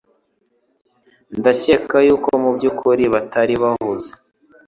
Ndakeka yuko mubyukuri batari bahuze